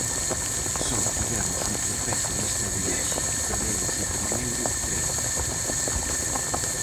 Só tivemos un tropezo nesta viaxe: perdemos o primeiro tren.